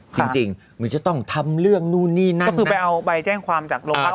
จริงจริงมันจะต้องทำเรื่องนู่นนี่นั่นก็คือไปเอาใบแจ้งความจากโรงพัก